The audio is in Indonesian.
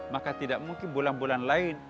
maka tidak mungkin bulan bulan lain